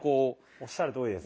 おっしゃるとおりです。